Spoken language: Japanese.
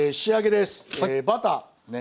バターね。